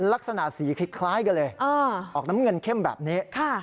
ลักษณะสีคล้ายกันเลยออกน้ำเงินเข้มแบบนี้